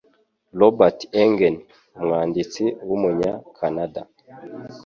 Robert Engen, umwanditsi w'Umunya-Canada,